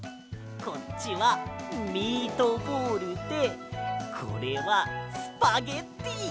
こっちはミートボールでこれはスパゲッティ！